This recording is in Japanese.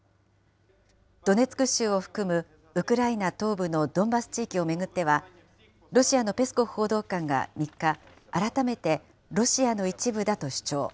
ドネツク州を含むウクライナ東部のドンバス地域を巡っては、ロシアのペスコフ報道官が３日、改めてロシアの一部だと主張。